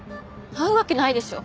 会うわけないでしょ。